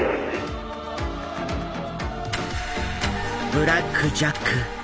「ブラック・ジャック」。